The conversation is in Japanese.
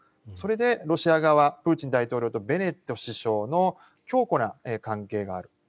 それで、ロシア側プーチン大統領とベネット首相の強固な関係がある。